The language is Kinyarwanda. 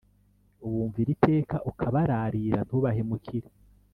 ubumvira iteka, ukabararira, ntubahemukire